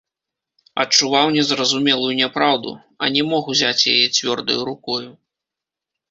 Адчуваў незразумелую няпраўду, а не мог узяць яе цвёрдаю рукою.